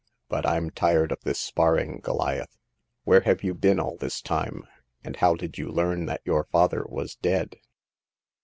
But I'm tired of this sparring, Goliath. Where have you been all this time ? and how did you learn that your father was dead